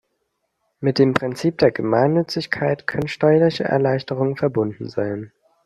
Mit dem Prinzip der Gemeinnützigkeit können steuerliche Erleichterungen verbunden sein.